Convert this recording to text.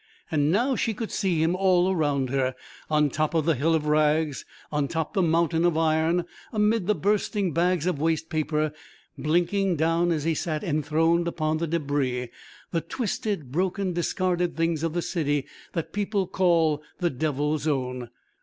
And now she could see him all around her on top the hill of rags, on top the mountain of iron, amid the bursting bags of waste paper blinking down as he sat enthroned upon the débris the twisted, broken, discarded things of the city that people call the Devil's Own.